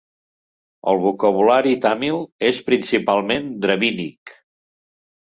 El vocabulari tàmil és principalment dravídic.